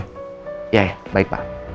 iya baik pak